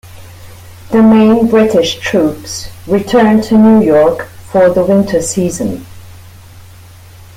The main British troops returned to New York for the winter season.